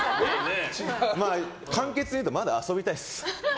簡潔に言うとまだ遊びたいです。